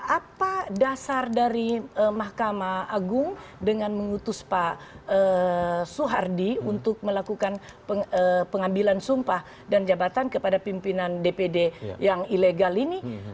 apa dasar dari mahkamah agung dengan mengutus pak soehardi untuk melakukan pengambilan sumpah dan jabatan kepada pimpinan dpd yang ilegal ini